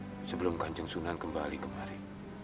jangan pergi sebelum kanceng sunan kembali kemari